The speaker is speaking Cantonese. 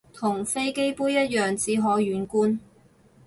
同飛機杯一樣只可遠觀